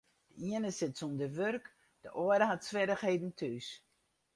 De iene sit sûnder wurk, de oare hat swierrichheden thús.